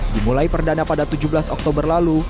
dimulai perdana pada tujuh belas oktober lalu